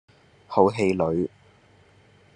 好氣餒